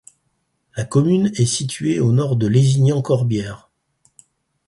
La commune est située au nord de Lézignan-Corbières.